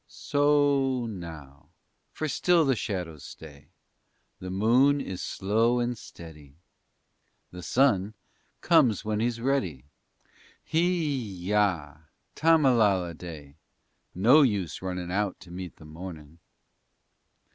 So o, now, for still the shadows stay; The moon is slow and steady; The sun comes when he's ready. Hee ya, tammalalleday! _No use runnin' out to meet the mornin'.